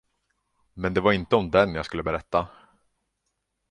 Men det var inte om den jag skulle berätta.